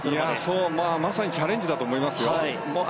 まさにチャレンジだと思いますよ。